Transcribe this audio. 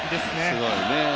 すごいね。